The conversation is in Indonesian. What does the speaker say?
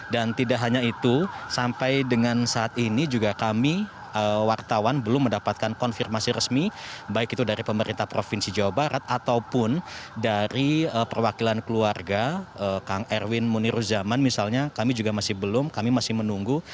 dan tidak hanya itu sampai dengan saat ini juga kami wartawan belum mendapatkan konfirmasi resmi baik itu dari pemerintah provinsi jawa barat ataupun dari perwakilan keluarga kang erwin muniruzaman misalnya kami juga masih belum kami masih menunggu